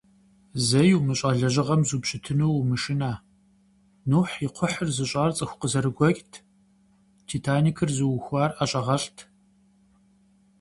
Зэи умыщӏа лэжьыгъэм зупщытыну умышынэ: Нухь и кхъухьыр зыщӏар цӏыху къызэрыгуэкӏт, «Титаникыр» зыухуар ӏэщӏагъэлӏт.